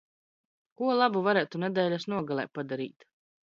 Ko labu varētu nedēļas nogalē padarīt?